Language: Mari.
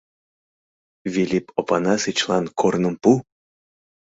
Вилип Опанасычлан корным пу!